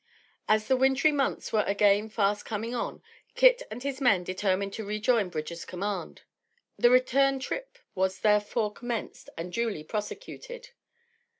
As the wintry months were again fast coming on, Kit and his men determined to rejoin Bridger's' command. The return trip, was therefore commenced and duly prosecuted.